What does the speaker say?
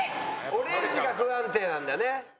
オレンジが不安定なんだね。